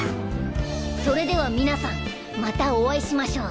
それではみなさんまたお会いしましょう！